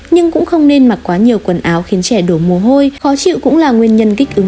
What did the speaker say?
nhưng cũng không nên mặc quá nhiều quần áo khiến trẻ đổ mồ hôi khó chịu cũng là nguyên nhân kích ứng cân dị ứng